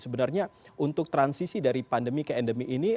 sebenarnya untuk transisi dari pandemi ke endemi ini